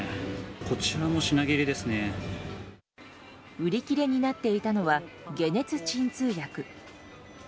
売り切れになっていたのは解熱鎮痛薬。